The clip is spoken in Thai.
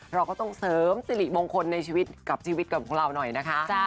เราก็ต้องเสริมสิริมงคลในชีวิตกับชีวิตกับของเราหน่อยนะคะ